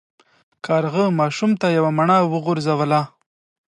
کارغه ماشوم ته یوه مڼه وغورځوله.